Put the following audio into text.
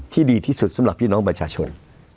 ดีที่สุดสำหรับพี่น้องประชาชน